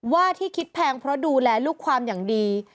ว่าที่คิดแพงเพราะดูแลลูกความอย่างดี